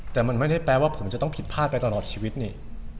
แต่มันไม่ได้แปลว่าผมจะต้องผิดพลาดไปตลอดชีวิตนี่